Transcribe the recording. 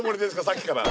さっきから。